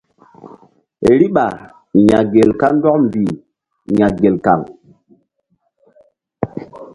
Riɓa ya̧ gel kandɔk mbih ya̧ gel kan.